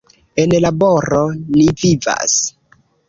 En laboro ni vivas.